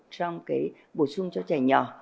trong bổ sung cho trẻ nhỏ